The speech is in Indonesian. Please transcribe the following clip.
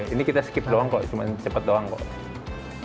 ini kita skip doang kok cuma cepat doang kok